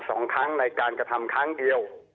สองครั้งในการกระทำครั้งเดียว